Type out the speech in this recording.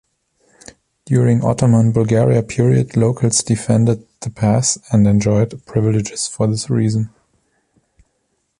During Ottoman Bulgaria period locals defended the pass and enjoyed privileges for this reason.